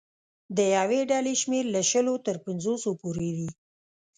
د یوې ډلې شمېر له شلو تر پنځوسو پورې وي.